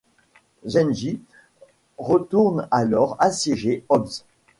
Zengi retourne alors assiéger Homs.